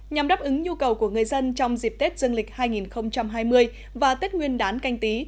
nhằm đáp ứng nhu cầu của người dân trong dịp tết dương lịch hai mươi và tết nguyên đán canh tí